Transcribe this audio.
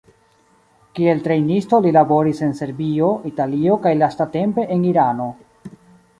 Kiel trejnisto li laboris en Serbio, Italio kaj lastatempe en Irano.